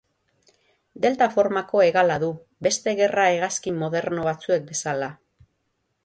Delta-formako hegala du, beste gerra-hegazkin moderno batzuek bezala.